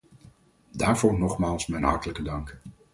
Daarvoor nogmaals mijn hartelijke dank.